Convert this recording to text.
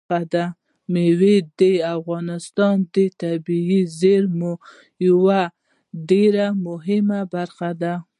مېوې د افغانستان د طبیعي زیرمو یوه ډېره مهمه برخه ده.